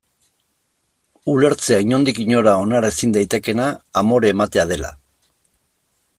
Ulertzea inondik inora onar ezin daitekeena amore ematea dela.